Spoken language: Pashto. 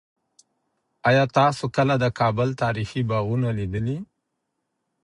آیا تاسو کله د کابل تاریخي باغونه لیدلي دي؟